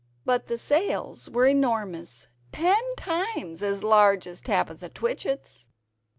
But the sales were enormous, ten times as large as Tabitha Twitchit's.